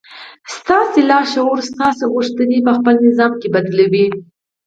ستاسې لاشعور ستاسې غوښتنې په خپل نظام کې بدلوي.